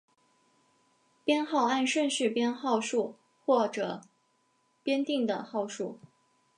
编号按顺序编号数或者编定的号数。